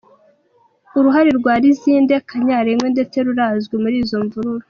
Uruhali rwa Lizinde, Kanyarengwe, ndeste rurazwi muli izo mvururu.